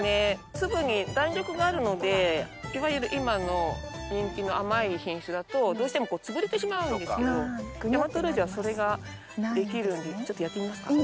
粒に弾力があるのでいわゆる今の人気の甘い品種だとどうしてもつぶれてしまうんですけど大和ルージュはそれができるんでちょっとやってみますか？